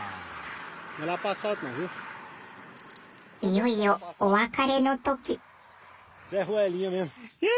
いよいよお別れの時。